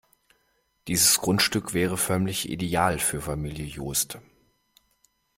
Dieses Grundstück wäre förmlich ideal für Familie Jost.